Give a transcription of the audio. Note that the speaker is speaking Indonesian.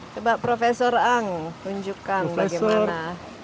coba prof ang tunjukkan bagaimana